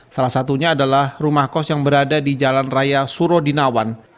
salah satunya adalah rumah kos yang berada di jalan raya surodinawan